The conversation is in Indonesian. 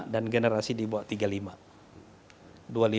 dan generasi di bawah tiga puluh lima